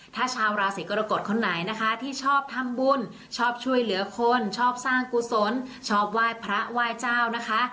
ถ้าชาวราศีกรกฎคนไหนนะคะที่ชอบทำบุญชอบช่วยเหลือคนชอบสร้างกุศลชอบไหว้พระไหว้เจ้านะคะ